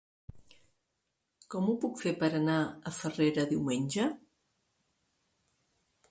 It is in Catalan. Com ho puc fer per anar a Farrera diumenge?